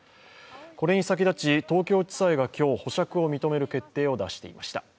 これに先立ち東京地裁が今日、保釈を認める決定を出していました。